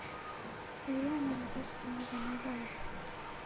Kaiya na ngelo na wana wako